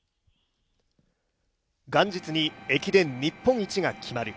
元日に駅伝日本一が決まる。